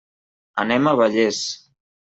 Anem a Vallés.